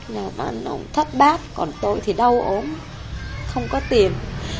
làm ăn ông thất bát còn tôi thì đau ốm không có tiền